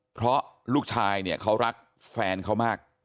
เพราะลูกชายเนี่ยเขารักแฟนเขามาก